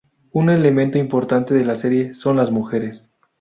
Un elemento importante de la serie son las mujeres.